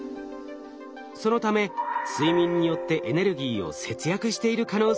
そのため睡眠によってエネルギーを節約している可能性があるのです。